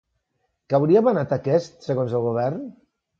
Que hauria manat aquest, segons el Govern?